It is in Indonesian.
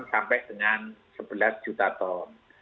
sampai dengan sebelas juta ton